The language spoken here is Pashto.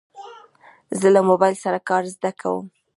زه له موبایل سره کار زده کوم.